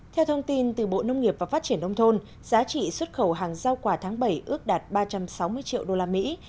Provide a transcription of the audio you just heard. theo thông tin từ bộ nông nghiệp và phát triển nông thôn giá trị xuất khẩu hàng giao quả tháng bảy ước đạt ba trăm sáu mươi triệu đô la mỹ